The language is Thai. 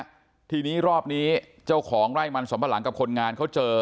ครับทีนี้รอบนี้เจ้าของไร่มันสำปะหลังกับคนงานเขาเจอ